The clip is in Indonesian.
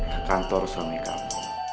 ke kantor suami kamu